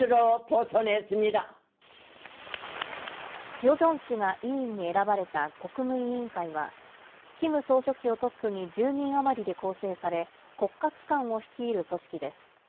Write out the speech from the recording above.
ヨジョン氏が委員に選ばれた国務委員会は、キム総書記をトップに１０人余りで構成され、国家機関を率いる組織です。